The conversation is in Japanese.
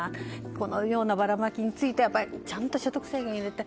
このようなばらまきにしてはちゃんと所得制限を入れて。